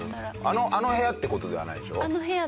あの部屋って事ではないでしょ？